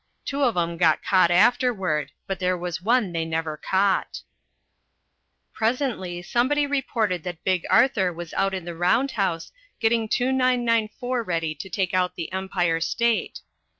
Two of 'em got caught afterward, but there was one they never caught." Presently somebody reported that Big Arthur was out in the round house, getting 2994 ready to take out the Empire State.